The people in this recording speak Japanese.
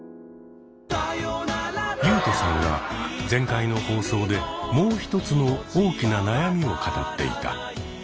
ユウトさんは前回の放送でもう一つの大きな悩みを語っていた。